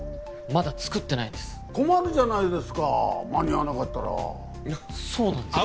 まだ作ってないんです困るじゃないですか間に合わなかったらそうなんです